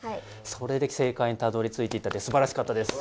それで正解にたどりついていったってすばらしかったです。